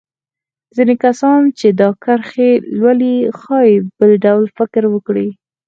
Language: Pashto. ځينې کسان چې دا کرښې لولي ښايي بل ډول فکر وکړي.